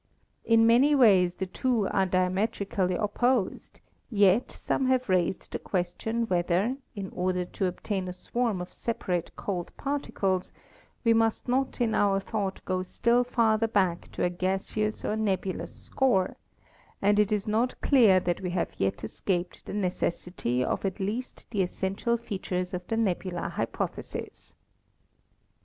In many ways the two are diametrically op posed ; yet some have raised the question whether, in order to obtain a swarm of separate cold particles, we must not in our thought go still farther back to a gaseous or nebu 318 ASTRONOMY lous source, and it is not clear that we have yet escaped the necessity of at least the essential features of the nebular hypothesis."